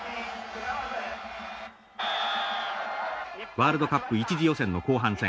ワールドカップ１次予選の後半戦。